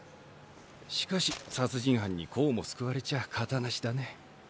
しかし殺人犯にこうも救われちゃ形無しだね。